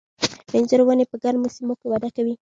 د انځرو ونې په ګرمو سیمو کې وده کوي.